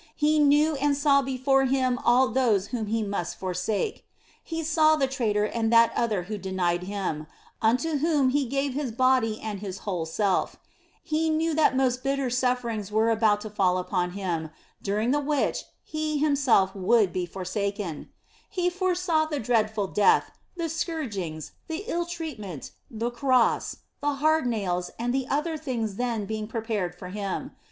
He knew and saw before Him all those whom He must forsake ; He saw the traitor and that other who denied Him, unto whom He gave His body and His whole self ; He knew that most bitter sufferings were about to fall upon Him, during the which He Himself would be forsaken ; He foresaw the dreadful death, the scourgings, the ill 150 THE BLESSED ANGELA treatment, the Cross, the hard nails and the other things then being prepared for Him.